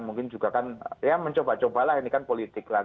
mungkin juga kan ya mencoba cobalah ini kan politik lah